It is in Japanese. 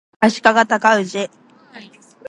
足利尊氏